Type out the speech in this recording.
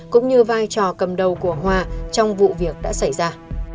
cũng như vai trò cầm đầu của hòa trong vụ việc đã xảy ra